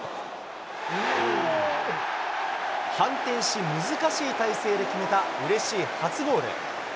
反転し難しい体勢で決めた、うれしい初ゴール。